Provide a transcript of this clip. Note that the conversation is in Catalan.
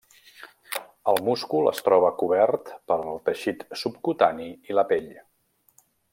El múscul es troba cobert pel teixit subcutani i la pell.